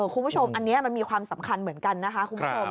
คุณผู้ชมอันนี้มันมีความสำคัญเหมือนกันนะคะคุณผู้ชม